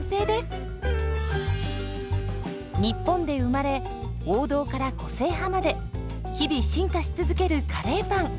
日本で生まれ王道から個性派まで日々進化し続けるカレーパン。